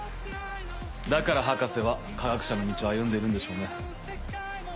だから博士は科学者の道を歩んでいるんでしょうね。